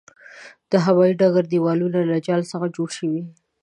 د هوايې ډګر دېوال له جال څخه جوړ شوی.